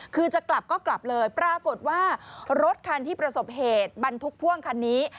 คือจะกลับก็กลับเลยปรากฏว่ารถคันที่ประสบเหตุบรรทุกพ่วงคันนี้